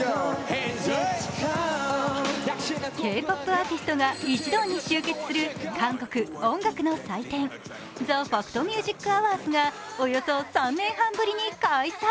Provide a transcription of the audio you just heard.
Ｋ−ＰＯＰアーティストが一同に集結するＴＨＥＦＡＣＴＭＵＳＩＣＡＷＡＲＤＳがおよそ３年半ぶりに開催。